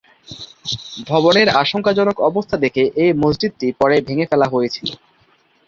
ভবনের আশঙ্কাজনক অবস্থা দেখে এই মসজিদটি পরে ভেঙে ফেলা হয়েছিল।